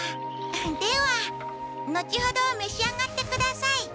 では後ほどめし上がってください。